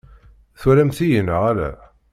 Twalamt-iyi neɣ ala?